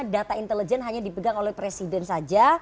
data intelijen hanya dipegang oleh presiden saja